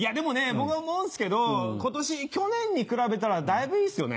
僕は思うんすけど今年去年に比べたらだいぶいいっすよね。